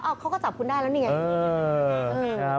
เขาก็จับคุณได้แล้วนี่ไง